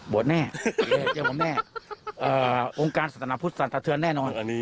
บวชแม่โบรการสตณะพุฒิสถาสเทือนแน่นอน